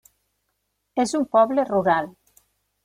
És un poble rural.